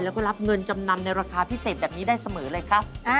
แล้วก็รับเงินจำนำในราคาพิเศษแบบนี้ได้เสมอเลยครับ